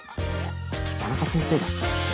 田中先生だ！